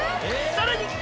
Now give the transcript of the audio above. さらに！